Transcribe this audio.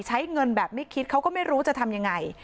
ใช้เงินแบบไม่คิดเขาก็ไม่รู้จะทำยังไง